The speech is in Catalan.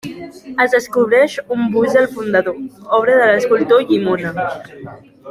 Es descobreix un bust del fundador, obra de l'escultor Llimona.